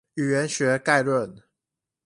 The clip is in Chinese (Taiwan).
語言學概論